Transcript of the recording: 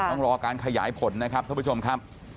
ต้องรอการขยายผลนะครับท่านผู้ชมครับ